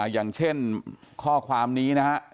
อย่างเช่นข้อความนี้นะฮะ